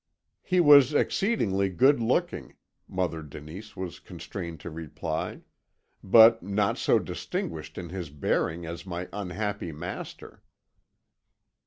"He was exceedingly good looking," Mother Denise was constrained to reply, "but not so distinguished in his bearing as my unhappy master."